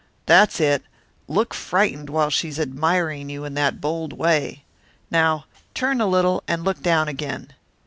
That's it look frightened while she's admiring you in that bold way. Now turn a little and look down again.